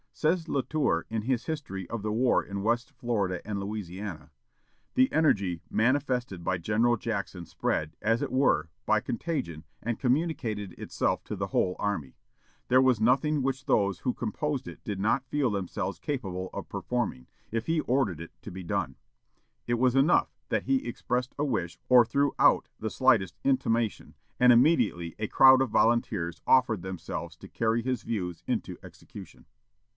Says Latour, in his history of the war in West Florida and Louisiana, "The energy manifested by General Jackson spread, as it were, by contagion, and communicated itself to the whole army. There was nothing which those who composed it did not feel themselves capable of performing, if he ordered it to be done. It was enough that he expressed a wish or threw out the slightest intimation, and immediately a crowd of volunteers offered themselves to carry his views into execution."